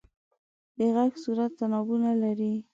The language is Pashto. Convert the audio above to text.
د غږ صورت تنابونه لري.